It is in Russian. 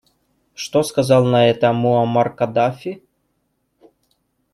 Что сказал на это Муамар Каддафи?